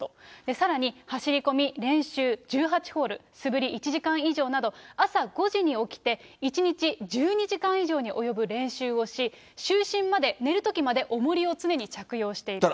さらに走り込み、練習１８ホール、素振り１時間以上など、朝５時に起きて、１日１２時間以上に及ぶ練習をし、就寝まで、寝るときまでおもりを常に着用していると。